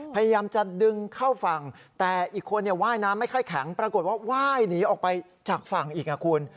แค่แข็งปรากฏว่าไหว้หนีออกไปจากฝั่งอีกครับคุณ